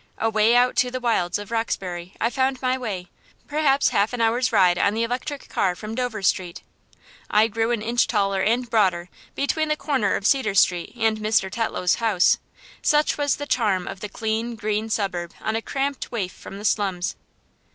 Away out to the wilds of Roxbury I found my way perhaps half an hour's ride on the electric car from Dover Street. I grew an inch taller and broader between the corner of Cedar Street and Mr. Tetlow's house, such was the charm of the clean, green suburb on a cramped waif from the slums.